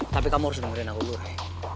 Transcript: tapi kamu harus dengerin aku dulu ray